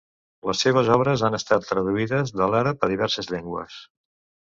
Les seves obres han estat traduïdes de l'àrab a diverses llengües.